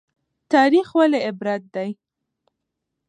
تاریخ ولې عبرت دی؟